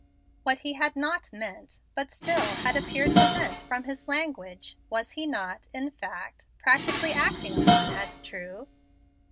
What he had not meant, but still had appeared to hint from his language, was he not, in fact, practically acting upon as true?